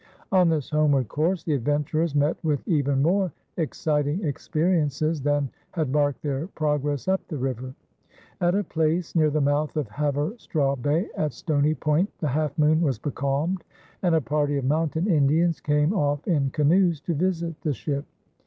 On this homeward course, the adventurers met with even more exciting experiences than had marked their progress up the river. At a place near the mouth of Haverstraw Bay at Stony Point the Half Moon was becalmed and a party of Mountain Indians came off in canoes to visit the ship.